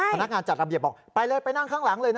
พนักงานจัดระเบียบบอกไปเลยไปนั่งข้างหลังเลยนะ